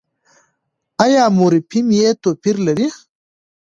ایا مورفیم يې توپیر لري؟